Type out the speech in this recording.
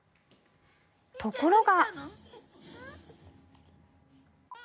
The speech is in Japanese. ところが。